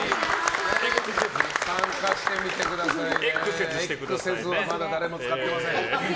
参加してみてくださいね。